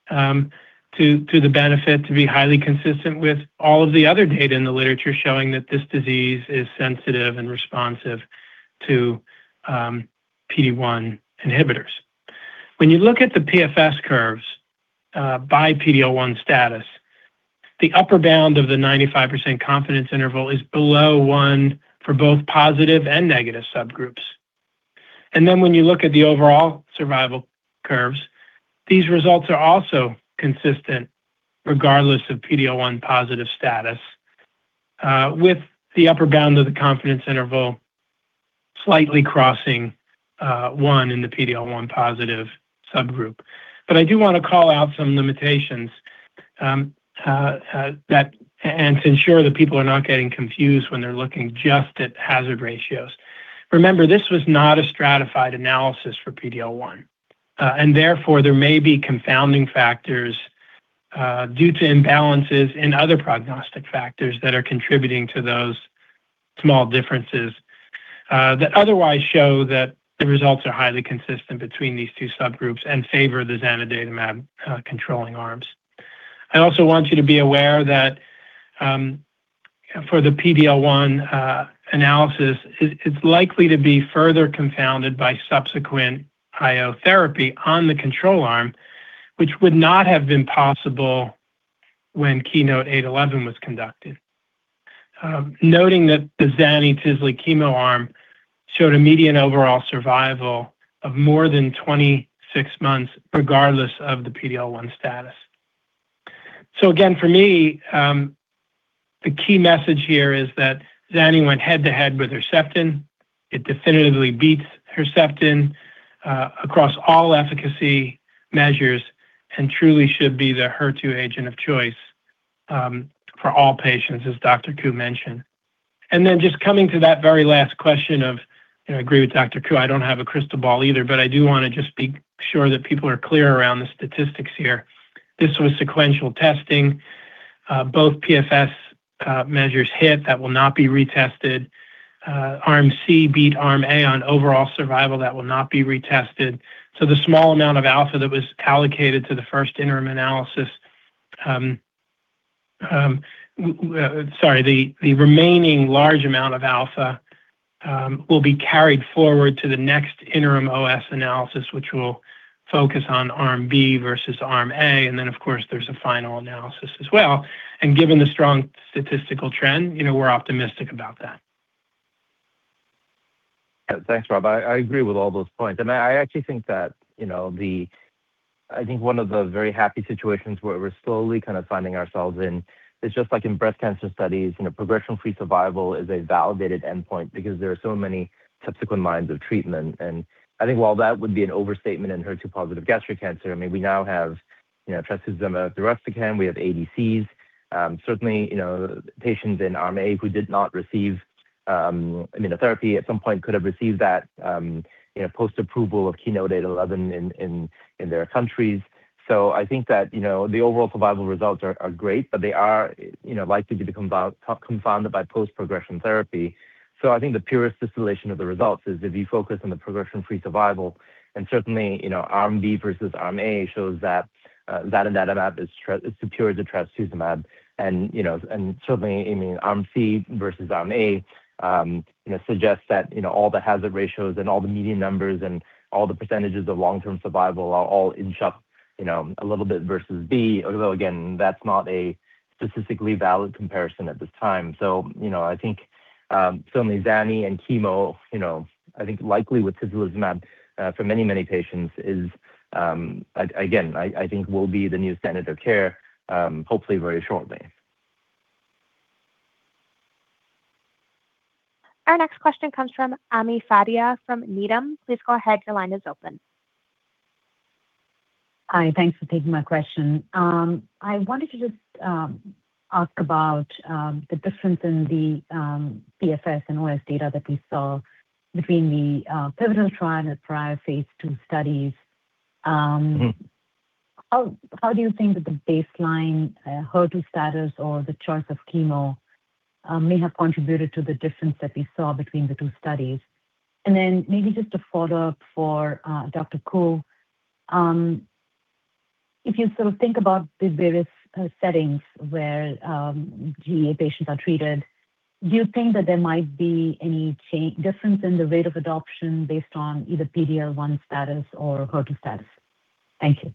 adds to the benefit to be highly consistent with all of the other data in the literature showing that this disease is sensitive and responsive to PD-L1 inhibitors. When you look at the PFS curves by PD-L1 status, the upper bound of the 95% confidence interval is below 1 for both positive and negative subgroups. And then when you look at the overall survival curves, these results are also consistent regardless of PD-L1 positive status, with the upper bound of the confidence interval slightly crossing 1 in the PD-L1 positive subgroup. But I do want to call out some limitations and to ensure that people are not getting confused when they're looking just at hazard ratios. Remember, this was not a stratified analysis for PD-L1. And therefore, there may be confounding factors due to imbalances in other prognostic factors that are contributing to those small differences that otherwise show that the results are highly consistent between these two subgroups and favor the zanidatamab-containing arms. I also want you to be aware that for the PD-L1 analysis, it's likely to be further confounded by subsequent IO therapy on the control arm, which would not have been possible when Keynote-811 was conducted, noting that the zanidatamab-tislelizumab-chemo arm showed a median overall survival of more than 26 months regardless of the PD-L1 status. So again, for me, the key message here is that zanidatamab went head-to-head with Herceptin. It definitively beats Herceptin across all efficacy measures and truly should be the HER2 agent of choice for all patients, as Dr. Ku mentioned. And then, just coming to that very last question of, I agree with Dr. Ku. I don't have a crystal ball either. But I do want to just be sure that people are clear around the statistics here. This was sequential testing. Both PFS measures hit. That will not be retested. arm C beat arm A on overall survival. That will not be retested. So the small amount of alpha that was allocated to the first interim analysis, sorry, the remaining large amount of alpha will be carried forward to the next interim OS analysis, which will focus on arm B versus arm A. And then, of course, there's a final analysis as well. And given the strong statistical trend, we're optimistic about that. Thanks, Rob. I agree with all those points. And I actually think that. I think one of the very happy situations where we're slowly kind of finding ourselves in is just like in breast cancer studies, progression-free survival is a validated endpoint because there are so many subsequent lines of treatment. And I think while that would be an overstatement in HER2-positive gastric cancer, I mean, we now have trastuzumab, deruxtecan. We have ADCs. Certainly, patients in arm A who did not receive immunotherapy at some point could have received that post-approval of Keynote-811 in their countries. So I think that the overall survival results are great, but they are likely to be confounded by post-progression therapy. So I think the purest distillation of the results is if you focus on the progression-free survival. And certainly, arm B versus arm A shows that zanidatamab is superior to trastuzumab. And certainly, I mean, arm C versus arm A suggests that all the hazard ratios and all the median numbers and all the percentages of long-term survival are all in favor a little bit versus B, although again, that's not a statistically valid comparison at this time. So I think certainly zani and chemo, I think likely with tislelizumab for many, many patients is, again, I think will be the new standard of care, hopefully very shortly. Our next question comes from Ami Fadia from Needham. Please go ahead. Your line is open. Hi. Thanks for taking my question. I wanted to just ask about the difference in the PFS and OS data that we saw between the pivotal trial and the prior Phase II studies. How do you think that the baseline HER2 status or the choice of chemo may have contributed to the difference that we saw between the two studies? And then maybe just a follow-up for Dr. Ku. If you sort of think about the various settings where GEA patients are treated, do you think that there might be any difference in the rate of adoption based on either PD-L1 status or HER2 status? Thank you.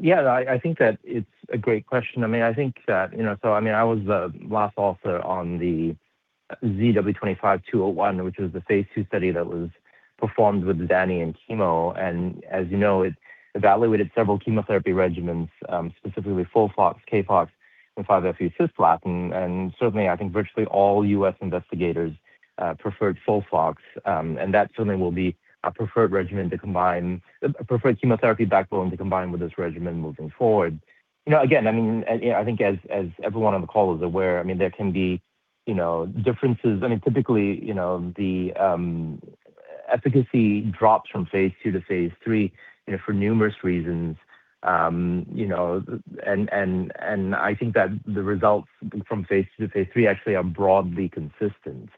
Yeah, I think that it's a great question. I mean, I think that—so I mean, I was the last author on the ZW25-201, which was the Phase II study that was performed with zani and chemo. And as you know, it evaluated several chemotherapy regimens, specifically FOLFOX, CAPOX, and 5-FU cisplatin. And certainly, I think virtually all U.S. investigators preferred FOLFOX. That certainly will be a preferred chemotherapy backbone to combine with this regimen moving forward. Again, I mean, I think as everyone on the call is aware, I mean, there can be differences. I mean, typically, the efficacy drops from Phase II to Phase III for numerous reasons. I think that the results from Phase II to Phase III actually are broadly consistent.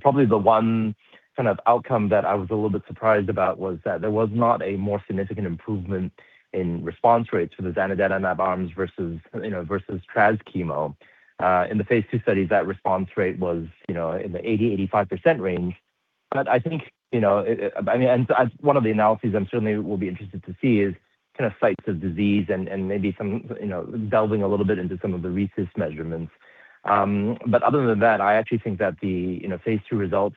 Probably the one kind of outcome that I was a little bit surprised about was that there was not a more significant improvement in response rates for the zanidatamab arms versus trastuzumab chemo. In the Phase II studies, that response rate was in the 80%-85% range. But I think, I mean, and one of the analyses I'm certainly will be interested to see is kind of sites of disease and maybe delving a little bit into some of the RECIST measurements. But other than that, I actually think that the Phase II results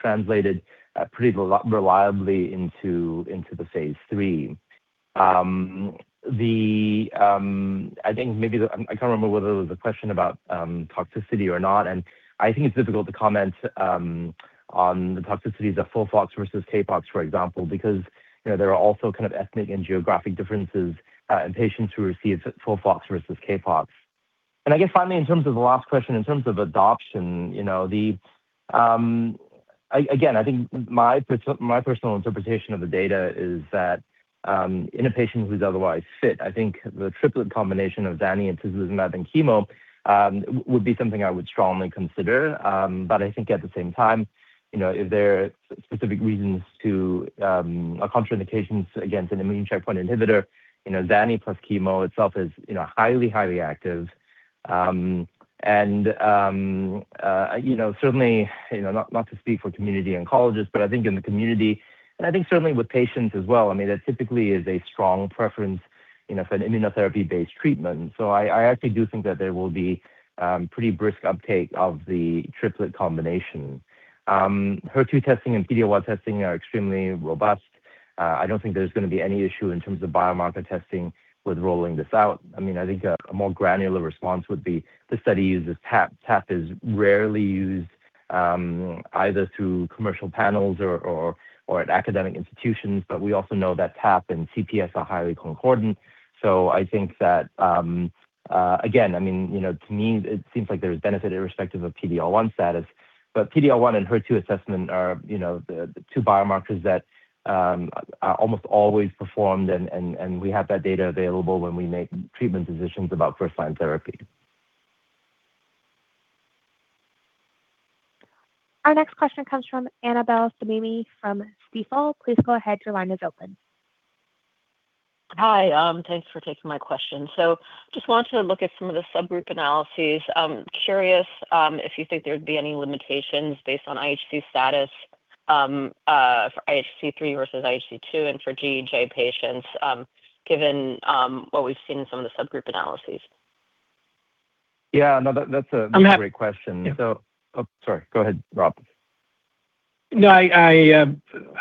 translated pretty reliably into the Phase III. I think maybe I can't remember whether it was a question about toxicity or not. I think it's difficult to comment on the toxicities of FOLFOX versus CAPOX, for example, because there are also kind of ethnic and geographic differences in patients who receive FOLFOX versus CAPOX. I guess finally, in terms of the last question, in terms of adoption, again, I think my personal interpretation of the data is that in a patient who's otherwise fit, I think the triplet combination of zani and tislelizumab and chemo would be something I would strongly consider. But I think at the same time, if there are specific reasons or contraindications against an immune checkpoint inhibitor, zani + chemo itself is highly, highly active. Certainly, not to speak for community oncologists, but I think in the community, and I think certainly with patients as well, I mean, there typically is a strong preference for an immunotherapy-based treatment. So I actually do think that there will be pretty brisk uptake of the triplet combination. HER2 testing and PD-L1 testing are extremely robust. I don't think there's going to be any issue in terms of biomarker testing with rolling this out. I mean, I think a more granular response would be the study uses TAP. TAP is rarely used either through commercial panels or at academic institutions. But we also know that TAP and CPS are highly concordant. So I think that, again, I mean, to me, it seems like there is benefit irrespective of PD-L1 status. But PD-L1 and HER2 assessment are the two biomarkers that are almost always performed. And we have that data available when we make treatment decisions about first-line therapy. Our next question comes from Annabel Samimy from Stifel. Please go ahead. Your line is open. Hi. Thanks for taking my question. So I just wanted to look at some of the subgroup analyses. I'm curious if you think there would be any limitations based on IHC status for IHC 3 versus IHC 2 and for GEJ patients given what we've seen in some of the subgroup analyses. Yeah. No, that's a great question. So sorry. Go ahead, Rob. No, I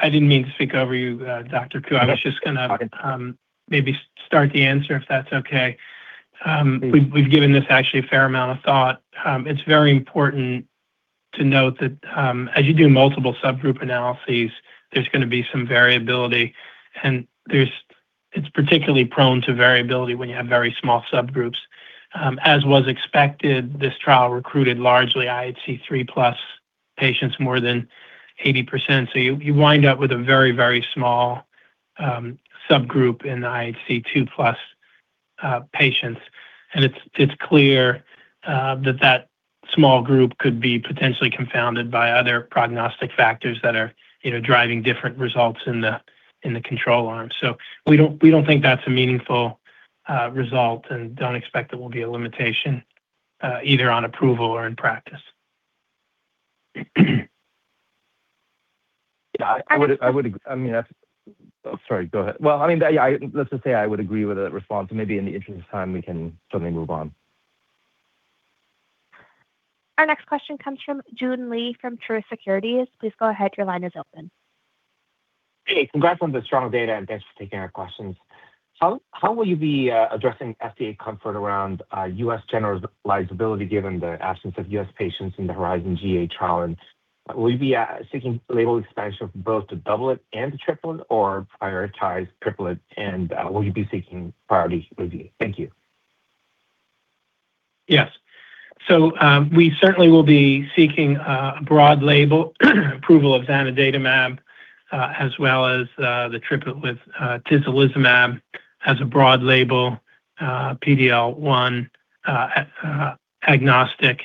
didn't mean to speak over you, Dr. Ku. I was just going to maybe start the answer if that's okay. We've given this actually a fair amount of thought. It's very important to note that as you do multiple subgroup analyses, there's going to be some variability. And it's particularly prone to variability when you have very small subgroups. As was expected, this trial recruited largely IHC 3+ patients more than 80%. So you wind up with a very, very small subgroup in the IHC 2+ patients. And it's clear that that small group could be potentially confounded by other prognostic factors that are driving different results in the control arm. So we don't think that's a meaningful result and don't expect that will be a limitation either on approval or in practice. Yeah. I mean, sorry. Go ahead. Well, I mean, let's just say I would agree with that response. And maybe in the interest of time, we can certainly move on. Our next question comes from Joon Lee from Truist Securities. Please go ahead. Your line is open. Hey, congrats on the strong data. And thanks for taking our questions. How will you be addressing FDA comfort around U.S. generalizability given the absence of U.S. patients in the HERIZON GEA trial? And will you be seeking label expansion for both the doublet and the triplet, or prioritize triplet? And will you be seeking priority review? Thank you. Yes. So we certainly will be seeking broad label approval of zanidatamab as well as the triplet with tislelizumab as a broad label PD-L1 agnostic.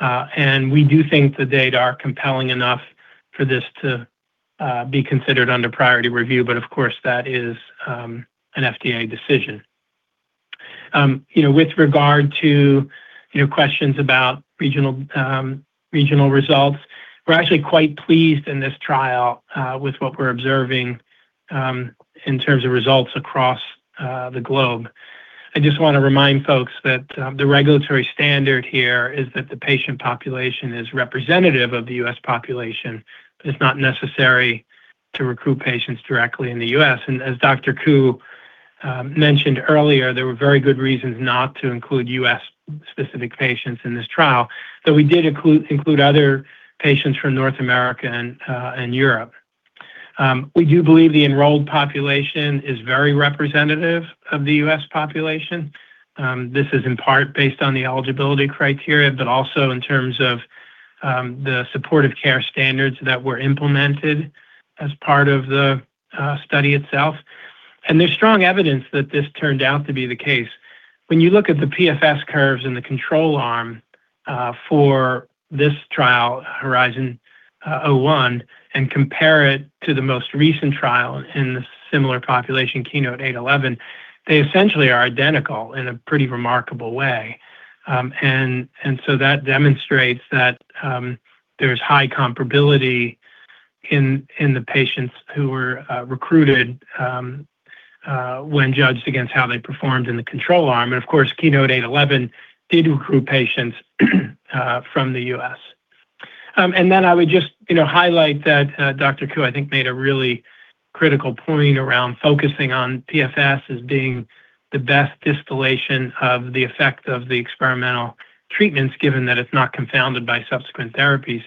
And we do think the data are compelling enough for this to be considered under priority review. But of course, that is an FDA decision. With regard to questions about regional results, we're actually quite pleased in this trial with what we're observing in terms of results across the globe. I just want to remind folks that the regulatory standard here is that the patient population is representative of the U.S. population. It's not necessary to recruit patients directly in the U.S. And as Dr. Ku mentioned earlier, there were very good reasons not to include U.S.-specific patients in this trial. But we did include other patients from North America and Europe. We do believe the enrolled population is very representative of the U.S. population. This is in part based on the eligibility criteria, but also in terms of the supportive care standards that were implemented as part of the study itself. And there's strong evidence that this turned out to be the case. When you look at the PFS curves in the control arm for this trial, HERIZON 01, and compare it to the most recent trial in the similar population, Keynote-811, they essentially are identical in a pretty remarkable way. And so that demonstrates that there's high comparability in the patients who were recruited when judged against how they performed in the control arm. And of course, Keynote-811 did recruit patients from the U.S. And then I would just highlight that Dr. Ku I think made a really critical point around focusing on PFS as being the best distillation of the effect of the experimental treatments given that it's not confounded by subsequent therapies.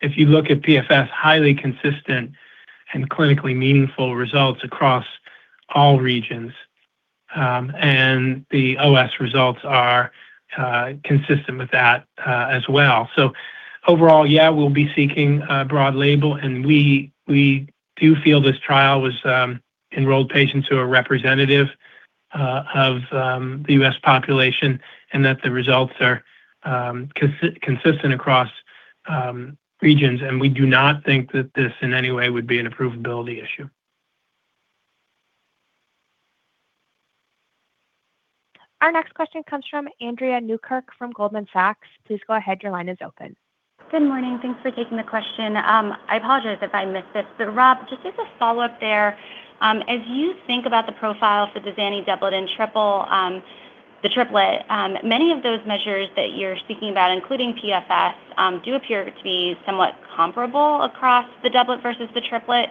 If you look at PFS, highly consistent and clinically meaningful results across all regions. And the OS results are consistent with that as well. So overall, yeah, we'll be seeking broad label. And we do feel this trial was enrolled patients who are representative of the U.S. population and that the results are consistent across regions. And we do not think that this in any way would be an approvability issue. Our next question comes from Andrea Newkirk from Goldman Sachs. Please go ahead. Your line is open. Good morning. Thanks for taking the question. I apologize if I missed this. But Rob, just as a follow-up there, as you think about the profile for the zani doublet and the triplet, many of those measures that you're speaking about, including PFS, do appear to be somewhat comparable across the doublet versus the triplet.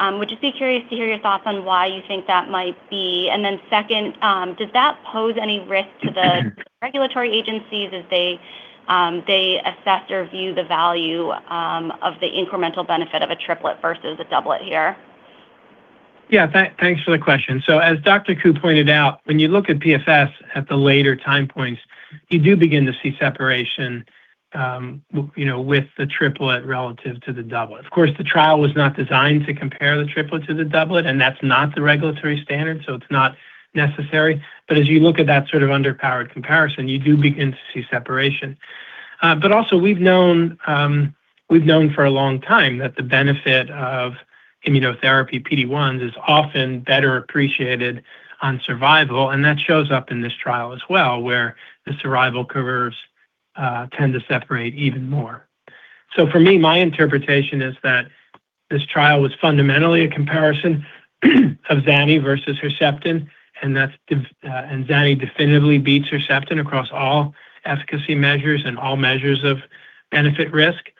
Would just be curious to hear your thoughts on why you think that might be. And then second, does that pose any risk to the regulatory agencies as they assess or view the value of the incremental benefit of a triplet versus a doublet here? Yeah. Thanks for the question. So as Dr. Ku pointed out, when you look at PFS at the later time points, you do begin to see separation with the triplet relative to the doublet. Of course, the trial was not designed to compare the triplet to the doublet, and that's not the regulatory standard, so it's not necessary, but as you look at that sort of underpowered comparison, you do begin to see separation, but also, we've known for a long time that the benefit of immunotherapy PD-1s is often better appreciated on survival, and that shows up in this trial as well where the survival curves tend to separate even more. So for me, my interpretation is that this trial was fundamentally a comparison of zani versus Herceptin, and zani definitively beats Herceptin across all efficacy measures and all measures of benefit-risk.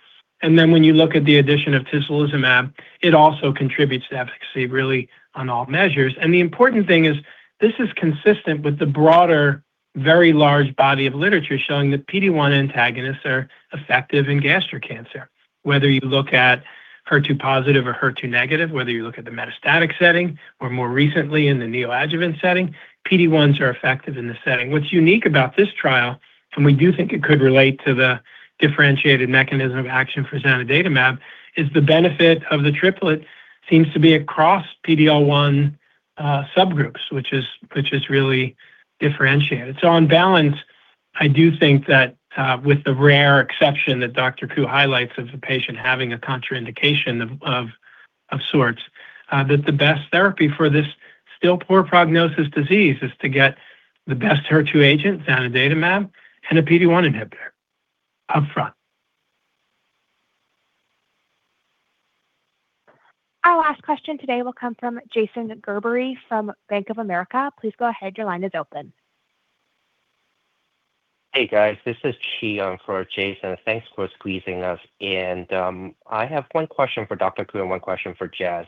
And then when you look at the addition of tislelizumab, it also contributes to efficacy really on all measures. The important thing is this is consistent with the broader, very large body of literature showing that PD-1 antagonists are effective in gastric cancer. Whether you look at HER2 positive or HER2 negative, whether you look at the metastatic setting or more recently in the neoadjuvant setting, PD-1s are effective in this setting. What's unique about this trial, and we do think it could relate to the differentiated mechanism of action for zanidatamab, is the benefit of the triplet seems to be across PD-L1 subgroups, which is really differentiated. On balance, I do think that with the rare exception that Dr. Ku highlights of the patient having a contraindication of sorts, that the best therapy for this still poor prognosis disease is to get the best HER2 agent, zanidatamab, and a PD-1 inhibitor upfront. Our last question today will come from Jason Gerbery from Bank of America. Please go ahead. Your line is open. Hey, guys. This is Chiung for Jason. Thanks for squeezing us. And I have one question for Dr. Ku and one question for Jazz.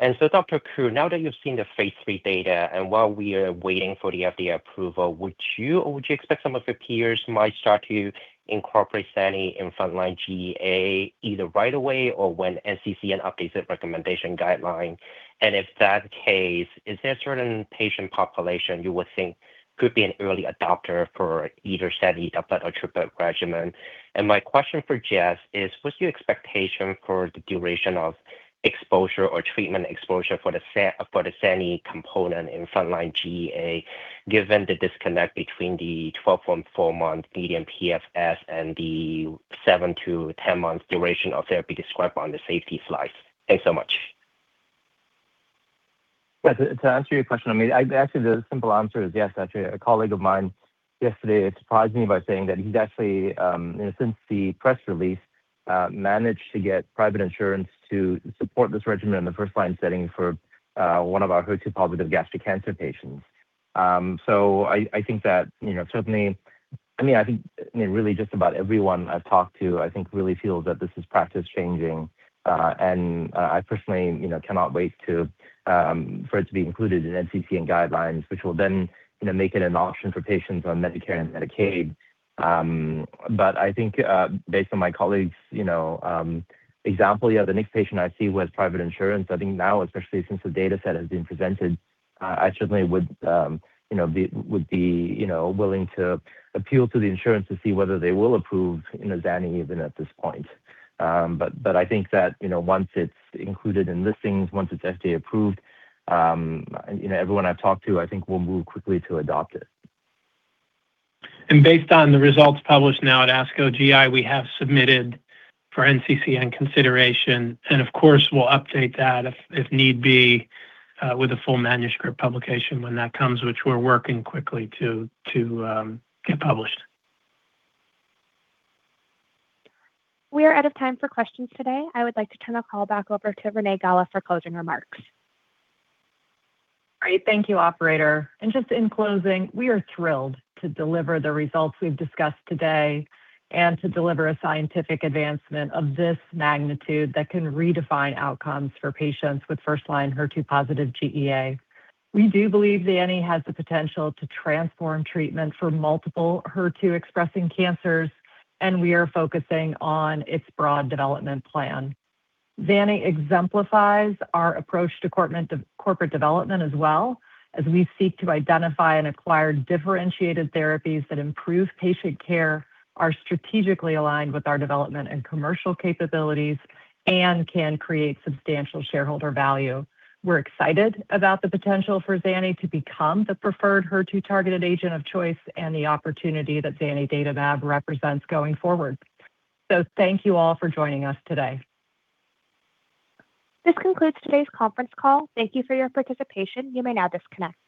And so Dr. Ku, now that you've seen the Phase III data and while we are waiting for the FDA approval, would you or would you expect some of your peers might start to incorporate zani in frontline GEA either right away or when NCCN updates its recommendation guideline? In that case, is there a certain patient population you would think could be an early adopter for either zani doublet or triplet regimen? My question for Jazz is, what's your expectation for the duration of exposure or treatment exposure for the zani component in frontline GEA given the disconnect between the 12-month median PFS and the seven- to 10-month duration of therapy described on the safety slides? Thanks so much. To answer your question, I mean, actually, the simple answer is yes, actually. A colleague of mine yesterday surprised me by saying that he's actually, since the press release, managed to get private insurance to support this regimen in the first-line setting for one of our HER2-positive gastric cancer patients. So I think that certainly, I mean, I think really just about everyone I've talked to, I think, really feels that this is practice-changing. I personally cannot wait for it to be included in NCCN guidelines, which will then make it an option for patients on Medicare and Medicaid. I think based on my colleague's example, the next patient I see with private insurance, I think now, especially since the data set has been presented, I certainly would be willing to appeal to the insurance to see whether they will approve zani even at this point. I think that once it's included in listings, once it's FDA approved, everyone I've talked to, I think, will move quickly to adopt it. Based on the results published now at ASCO GI, we have submitted for NCCN consideration. Of course, we'll update that if need be with a full manuscript publication when that comes, which we're working quickly to get published. We are out of time for questions today. I would like to turn the call back over to Renee Gala for closing remarks. Great. Thank you, operator. And just in closing, we are thrilled to deliver the results we've discussed today and to deliver a scientific advancement of this magnitude that can redefine outcomes for patients with first-line HER2 positive GEA. We do believe zani has the potential to transform treatment for multiple HER2-expressing cancers, and we are focusing on its broad development plan. zani exemplifies our approach to corporate development as well as we seek to identify and acquire differentiated therapies that improve patient care, are strategically aligned with our development and commercial capabilities, and can create substantial shareholder value. We're excited about the potential for zani to become the preferred HER2 targeted agent of choice and the opportunity that zanidatamab represents going forward. So thank you all for joining us today. This concludes today's conference call. Thank you for your participation. You may now disconnect.